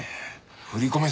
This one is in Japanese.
振り込め